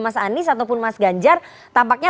mas anies ataupun mas ganjar tampaknya